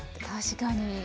確かに。